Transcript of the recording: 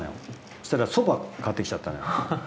そしたらそば買って来ちゃったのよ。